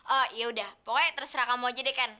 oh yaudah pokoknya terserah kamu aja deh kan